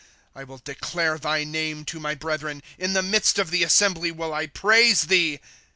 ^^ 1 will declare thy name to my brethren ; In the midst of the assembly will 1 praise thee.